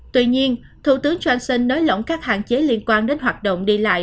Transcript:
tuy nhiên thủ tướng johnson nói lỏng các hạn chế liên quan đến hoạt động đi lại